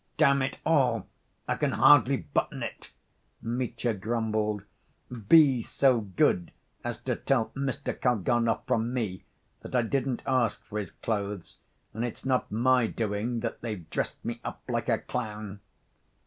"Damn it all! I can hardly button it," Mitya grumbled. "Be so good as to tell Mr. Kalganov from me that I didn't ask for his clothes, and it's not my doing that they've dressed me up like a clown."